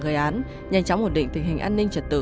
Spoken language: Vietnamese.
gây án nhanh chóng ổn định tình hình an ninh trật tự